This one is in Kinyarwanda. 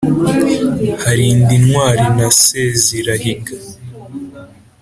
harindintwari na sezirahiga